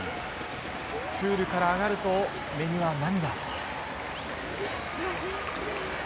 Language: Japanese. プールから上がると、目には涙。